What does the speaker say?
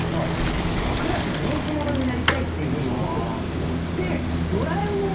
クラスの人気者になりたいっていうふうに思ってたんですよ。